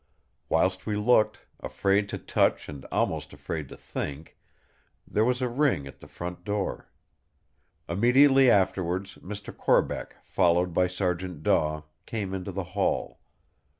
Whilst we looked, afraid to touch and almost afraid to think, there was a ring at the front door; immediately afterwards Mr. Corbeck, followed by Sergeant Daw, came into the hall.